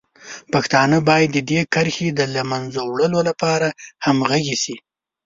پښتانه باید د دې کرښې د له منځه وړلو لپاره همغږي شي.